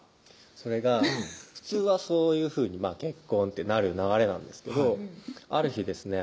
それが普通はそういうふうに結婚ってなる流れなんですけどある日ですね